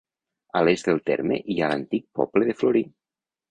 A l'est del terme hi ha l'antic poble de Florí.